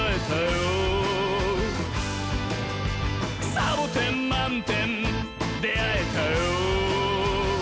「サボテンまんてんであえたよ」